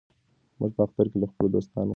موږ په اختر کې له خپلو دوستانو سره لیدنه کوو.